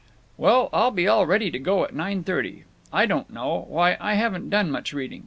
"Well, I'll be all ready to go at nine thirty…. I don't know; why, I haven't done much reading.